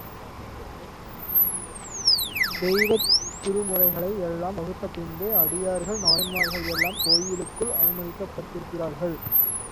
தெய்வத் திருமுறைகளை எல்லாம் வகுத்த பின்பே, அடியார்கள், நாயன்மார்கள் எல்லாம் கோயிலுக்குள் அனுமதிக்கப்பட்டிருக்கிறார்கள்.